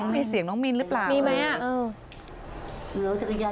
มีเสียงน้องมินหรือเปล่า